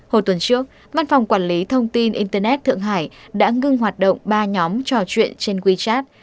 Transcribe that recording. hồi tuần trước văn phòng quản lý thông tin internet thượng hải đã ngưng hoạt động ba nhóm trò chuyện trên wechat